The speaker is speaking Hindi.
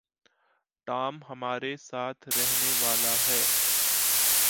टॉम हमारे साथ रहने वाला है।